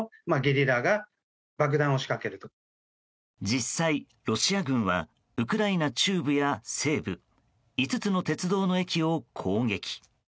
実際、ロシア軍はウクライナ中部や西部５つの鉄道の駅を攻撃。